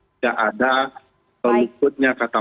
tidak ada keliputnya kata